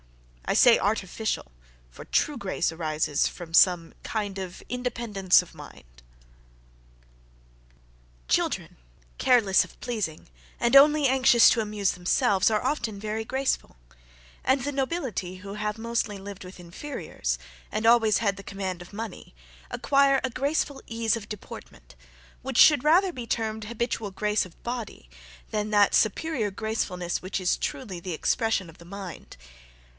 I say artificial, for true grace arises from some kind of independence of mind. Children, careless of pleasing, and only anxious to amuse themselves, are often very graceful; and the nobility who have mostly lived with inferiors, and always had the command of money, acquire a graceful ease of deportment, which should rather be termed habitual grace of body, than that superiour gracefulness which is truly the expression of the mind.